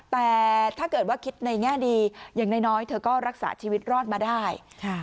แต่ถ้าเกิดว่าคิดในแง่ดีอย่างน้อยเธอก็รักษาชีวิตรอดมาได้